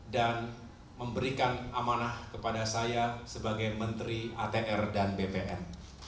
dan memberikan amanah kepada saya sebagai menteri atr dan bpn